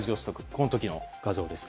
この時の画像です。